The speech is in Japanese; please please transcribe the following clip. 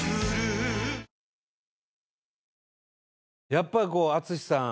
やっぱり淳さん